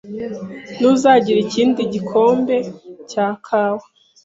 Ntuzagira ikindi gikombe cya kawa?